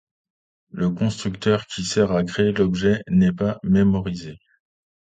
Le constructeur qui sert à créer l'objet n'est pas mémorisé.